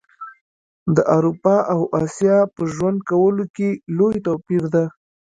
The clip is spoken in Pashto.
د اروپا او اسیا په ژوند کولو کي لوي توپیر ده